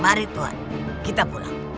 mari tuan kita pulang